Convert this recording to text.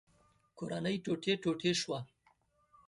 کورنۍ ټوټې ټوټې شوه.